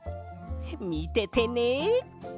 みててね！